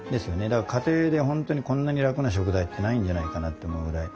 だから家庭で本当にこんなに楽な食材ってないんじゃないかなって思うぐらい。